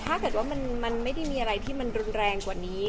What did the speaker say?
ถ้าเกิดว่ามันไม่ได้มีอะไรที่มันรุนแรงกว่านี้